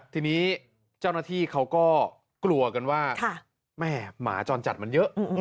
ทีนี้เจ้าหน้าที่เขาก็กลัวกันว่าแม่หมาจรจัดมันเยอะ